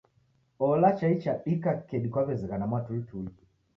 Ola chai chadika kedi kwaw'ezighana mwatulituli.